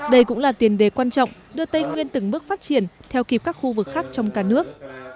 đây cũng là tiền đề quan trọng đưa tây nguyên từng bước phát triển theo kịp các khu vực khác trong cả nước